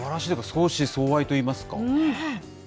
相思相愛といいますか。